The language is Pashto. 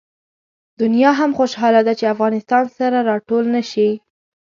دنیا هم خوشحاله ده چې افغانستان سره راټول نه شي.